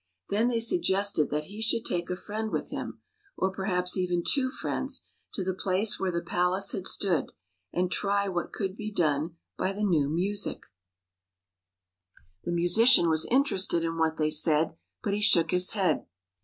Then they suggested that he should take a friend with him — or per haps even two friends — to the place where the palace had stood, and try what could be done by the new music. 83 THE PALACE MADE BY MUSIC The musician was interested in what they said, but he shook his head.